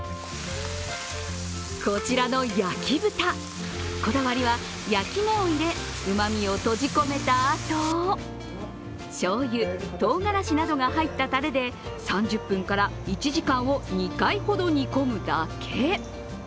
こちらの焼豚、こだわりは焼き目を入れうまみを閉じ込めたあとしょうゆ、とうがらしなどが入ったたれで３０分から１時間を２回ほど煮込むだけ。